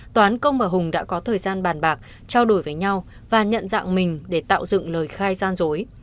toán công và hùng đã có thời gian bàn bạc trao đổi với nhau và nhận dạng mình để tạo dựng lời khai gian dối